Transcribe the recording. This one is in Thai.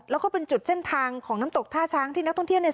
แล้วก็เป็นจุดเส้นทางของน้ำตกท่าช้างที่นักท่องเที่ยวเนี่ย